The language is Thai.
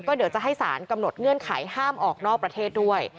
เดี๋ยวจะให้สารกำหนดเงื่อนไขห้ามออกนอกประเทศด้วย